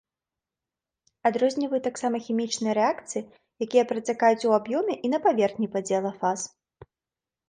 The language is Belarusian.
Адрозніваюць таксама хімічныя рэакцыі, якія працякаюць у аб'ёме і на паверхні падзела фаз.